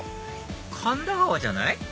神田川じゃない？